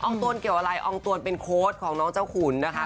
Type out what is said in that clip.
ตวนเกี่ยวอะไรอองตวนเป็นโค้ดของน้องเจ้าขุนนะคะ